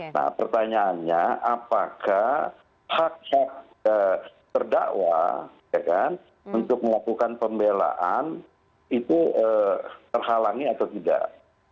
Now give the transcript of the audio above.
nah pertanyaannya apakah hak hak terdakwa untuk melakukan pembelaan itu terhalangi atau tidak